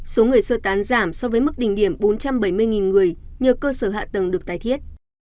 số người sơ tán giảm so với mức đỉnh điểm bốn trăm bảy mươi người nhờ cơ sở hạ tầng được tài thiết